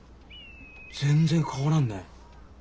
全然変わらんね。